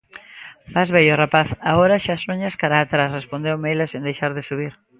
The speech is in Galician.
"Vas vello, rapaz, agora xa soñas cara a atrás", respondeume ela sen deixar de subir.